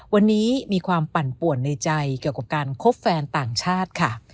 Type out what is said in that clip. วันนี้มีความปั่นป่วนในใจเกี่ยวกับการคบแฟนต่างชาติค่ะ